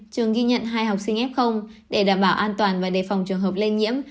trường ghi nhận hai học sinh f để đảm bảo an toàn và đề phòng trường hợp lây nhiễm